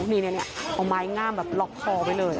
นี่เอาไม้งามแบบล็อกคอไว้เลย